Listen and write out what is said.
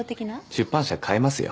出版社変えますよ